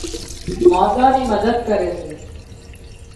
مانۮان نِي مدد ڪري سي